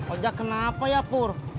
ojak kenapa ya pur